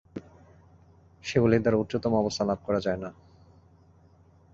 সেগুলির দ্বারা উচ্চতম অবস্থা লাভ করা যায় না।